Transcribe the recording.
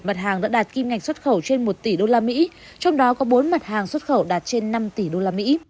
một mươi một mặt hàng đã đạt kinh ngạch xuất khẩu trên một tỷ usd trong đó có bốn mặt hàng xuất khẩu đạt trên năm tỷ usd